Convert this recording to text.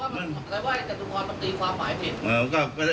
หมายความว่าจันทุพรตีความหมายผิด